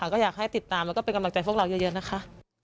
ก็อยากให้ติดตามและกำลังใจพวกเราเยอะ